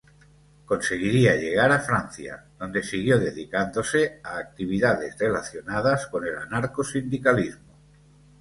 Conseguiría llegar a Francia, donde siguió dedicándose a actividades relacionadas con el anarcosindicalismo.